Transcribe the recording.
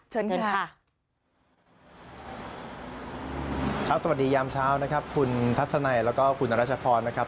เชิญค่ะครับสวัสดียามเช้านะครับคุณทัศนัยแล้วก็คุณรัชพรนะครับ